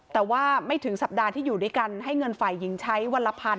แต่ว่าไม่ถึงสัปดาห์ที่อยู่ด้วยกันให้เงินฝ่ายหญิงใช้วันละพัน